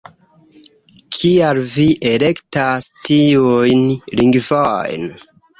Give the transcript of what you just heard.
Kial vi elektas tiujn lingvojn?